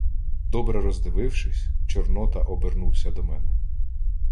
Добре роздивившись, Чорнота обернувся до мене: